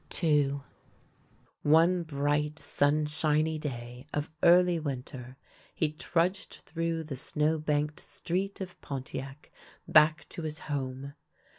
II One bright, sunshiny day of early winter, he trudged through the snow banked street of Pontiac back to his home.